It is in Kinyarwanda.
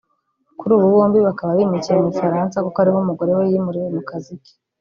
Kuri ubu bombi bakaba bimukiye mu Bufaransa kuko ariho umugore we yimuriwe mu kazi ke